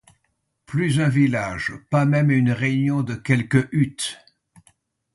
Plus un village, pas même une réunion de quelques huttes.